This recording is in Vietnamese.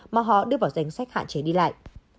mà họ đưa vào danh sách hạn chế đi lại